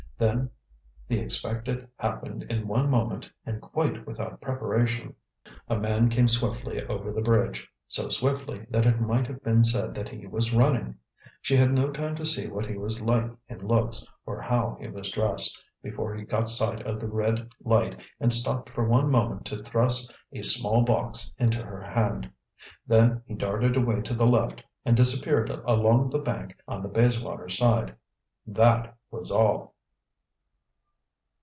Then the expected happened in one moment and quite without preparation. A man came swiftly over the bridge so swiftly, that it might have been said that he was running. She had no time to see what he was like in looks, or how he was dressed, before he caught sight of the red light and stopped for one moment to thrust a small box into her hand. Then he darted away to the left and disappeared along the bank on the Bayswater side. That was all!